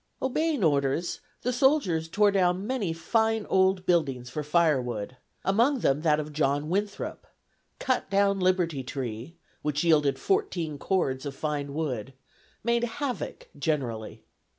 Obeying orders, the soldiers tore down many fine old buildings for firewood, among them that of John Winthrop; cut down Liberty Tree, which yielded fourteen cords of fine wood; made havoc generally.